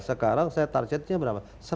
sekarang saya targetnya berapa